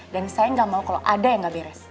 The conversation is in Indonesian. dan saya gak mau kalau ada yang gak beres